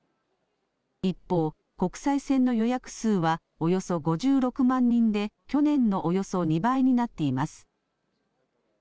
一方、国際線の予約数はおよそ５６万人で去年のおよそ２倍になっています。